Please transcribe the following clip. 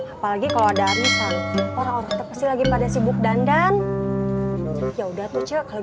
apalagi kalau ada misal orang orang tepuk lagi pada sibuk dandan ya udah tuh ce kalau